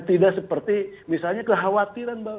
tidak seperti misalnya kekhawatiran